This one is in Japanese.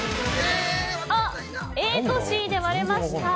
ＡとＣで割れました。